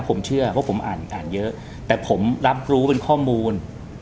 ผมเชื่อเพราะผมอ่านอ่านเยอะแต่ผมรับรู้เป็นข้อมูล